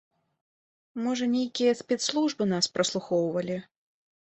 Можа, нейкія спецслужбы нас праслухоўвалі.